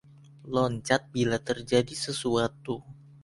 Loncat bila terjadi sesuatu.